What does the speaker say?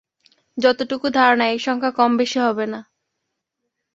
যতটুকু ধারণা এ সংখ্যা কমবেশী হবে না।